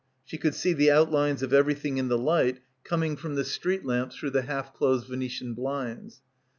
She could see the out lines of everything in the light coming from the street lamps through the half closed Venetian blinds.